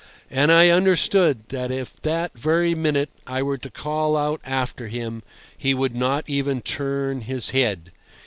And I understood that if that very minute I were to call out after him, he would not even turn his head.